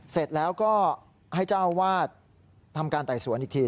เสร็จแล้วก็ให้เจ้าวาดทำการไต่สวนอีกที